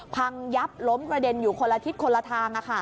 พังยับล้มกระเด็นอยู่คนละทิศคนละทาง